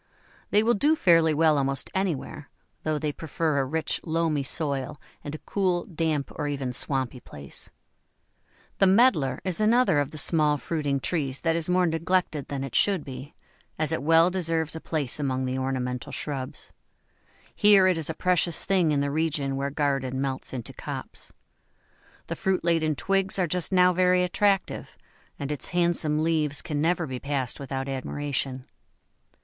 They will do fairly well almost anywhere, though they prefer a rich, loamy soil and a cool, damp, or even swampy place. The Medlar is another of the small fruiting trees that is more neglected than it should be, as it well deserves a place among ornamental shrubs. Here it is a precious thing in the region where garden melts into copse. The fruit laden twigs are just now very attractive, and its handsome leaves can never be passed without admiration.